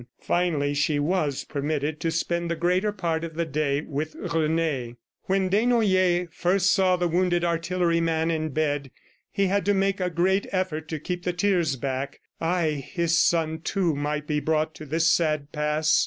Finally, she was permitted to spend the greater part of the day with Rene. When Desnoyers first saw the wounded artilleryman in bed, he had to make a great effort to keep the tears back. ... Ay, his son, too, might be brought to this sad pass!